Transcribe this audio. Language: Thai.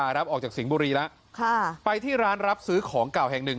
อายุธยาออกจากสิงภ์บุรีละค่ะไปที่ร้านรับซื้อของเก่าแห่งหนึ่ง